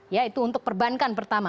ya itu untuk perbankan pertama